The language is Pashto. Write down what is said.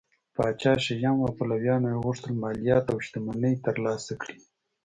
پاچا شیام او پلویانو یې غوښتل مالیات او شتمنۍ ترلاسه کړي